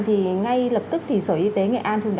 thì ngay lập tức thì sở y tế nghệ an đã